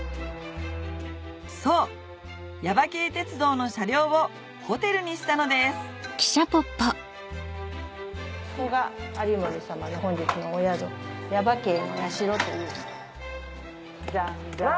そう耶馬渓鉄道の車両をホテルにしたのですうわ